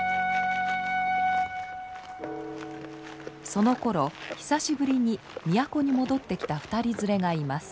そのころ久しぶりに都に戻ってきた２人連れがいます。